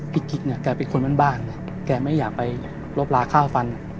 พี่กิ๊กเนี่ยแกเป็นคนบ้านบ้านเนี่ยแกไม่อยากไปรบลาข้าวฟัน